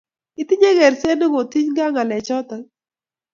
Itinye kerset ne kotinyge ak ng'alechatak?